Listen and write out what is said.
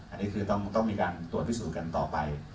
อันนี้คือต้องมีการตรวจพิสูจน์กันต่อไป